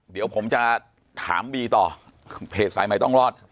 เดี๋ยวผมจะถามบีต่อเพจสายใหม่ต้องรอด